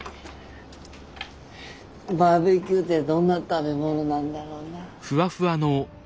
バーベキューってどんな食べ物なんだろうな。